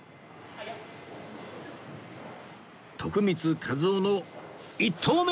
徳光和夫の１投目